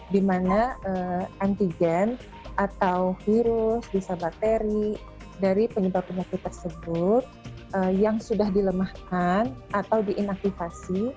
di mana antigen atau virus bisa bakteri dari penyebab penyakit tersebut yang sudah dilemahkan atau diinaktivasi